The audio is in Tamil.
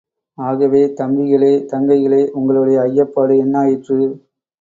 ஆகவே, தம்பிகளே, தங்கைகளே, உங்களுடைய ஐயப்பாடு என்னாயிற்று?